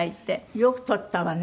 よく撮ったわね。